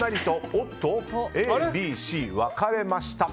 おっと、Ａ、Ｂ、Ｃ分かれました。